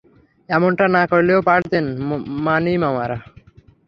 এমনটা না করলেও পারতেন, মানিমারা।